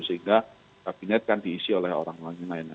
sehingga kabinet kan diisi oleh orang lain lainnya